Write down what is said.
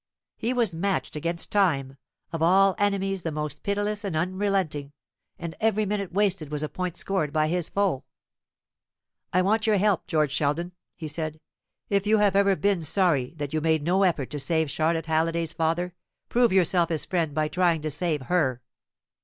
He was matched against Time, of all enemies the most pitiless and unrelenting, and every minute wasted was a point scored by his foe. "I want your help, George Sheldon," he said. "If you have ever been sorry that you made no effort to save Charlotte Halliday's father, prove yourself his friend by trying to save her."